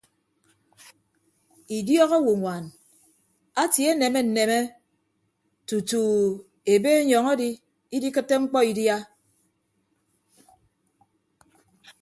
Idiọk owonwaan atie aneme nneme tutu ebe anyọñ adi idikịtte mkpọ idia.